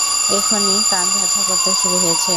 এখনই কান ঝাঁঝাঁ করতে শুরু হয়েছে।